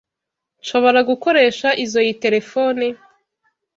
Nshobora gukoresha izoi terefone?